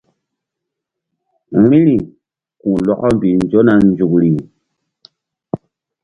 Vbi̧ri ku̧lɔkɔ mbih nzona nzukri.